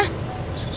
saya telepon randy